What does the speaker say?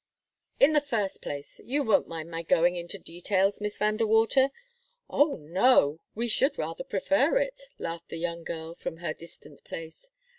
In the first place you won't mind my going into details, Miss Van De Water?" "Oh, no we should rather prefer it," laughed the young girl, from her distant place.